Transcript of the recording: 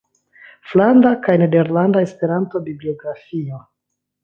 Flandra kaj Nederlanda Esperanto-Bibliografio.